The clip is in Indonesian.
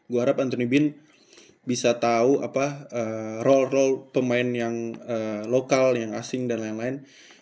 gue harap anthony bin bisa tahu apa roll role pemain yang lokal yang asing dan lain lain